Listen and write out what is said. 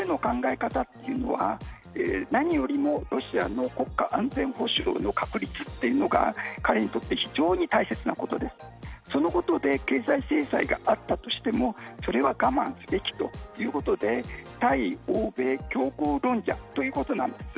彼の考え方というのは何よりもロシアの国家安全保障の確立というのが彼にとって非常に大切なことでそのことで経済制裁があったとしてもそれは我慢すべきということで対欧米強硬論者ということなんです。